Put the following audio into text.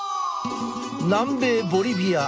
南米ボリビア。